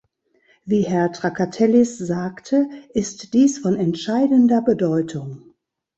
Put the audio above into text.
Wie Herr Trakatellis sagte, ist dies von entscheidender Bedeutung.